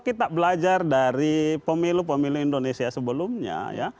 kita belajar dari pemilu pemilu indonesia sebelumnya ya